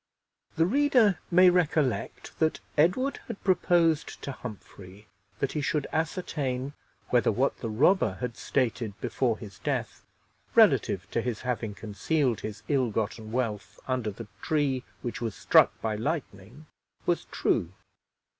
The reader may recollect that Edward had proposed to Humphrey that he should ascertain whether what the robber had stated before his death relative to his having concealed his ill gotten wealth under the tree which was struck by lightning was true.